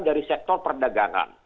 dari sektor perdagangan